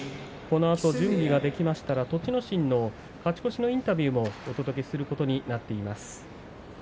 このあと準備ができましたら栃ノ心の勝ち越しのインタビューをお届けします。